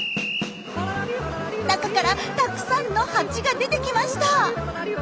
中からたくさんのハチが出てきました。